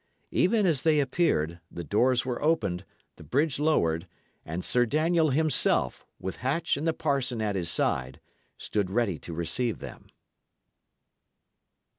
Even as they appeared, the doors were opened, the bridge lowered, and Sir Daniel himself, with Hatch and the parson at his side, stood ready to receive them.